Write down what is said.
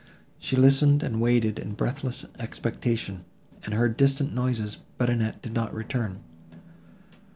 She listened and waited, in breathless expectation, and heard distant noises, but Annette did not return.